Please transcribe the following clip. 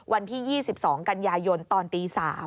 วันที่๒๒กันยายนตอนตี๓